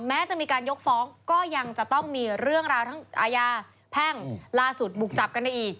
แม้จะมีการยกฟ้องก็ยังจะต้องมีเรื่องราวทั้งอาญาแพ่งล่าสุดบุกจับกันได้อีก